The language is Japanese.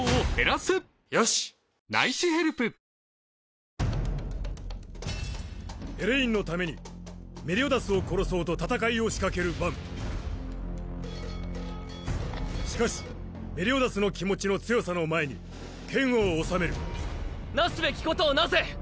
俺がこの役だったのにエレインのためにメリオダスを殺そうと戦いを仕掛けるバンしかしメリオダスの気持ちの強さの前に剣を収めるなすべきことをなせ。